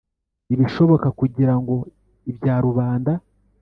ibishoboka kugira ngo ibya rubanda